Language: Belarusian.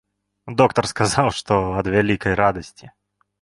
Доктар сказаў, што ад вялікай радасці.